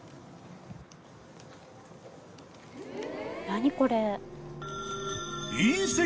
何これ？